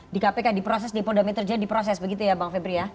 di kpk diproses di polda metro jaya diproses begitu ya bang febri ya